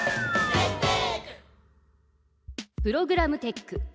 プログラムテック。